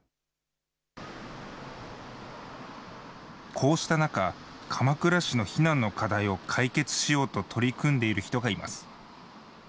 こうした中、鎌倉市の避難の課題を解決しようと取り組んでいる人がいます。